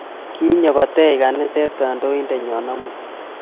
Kinyo kotech kaniset kandoindet nyon amut